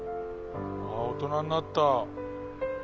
大人になった。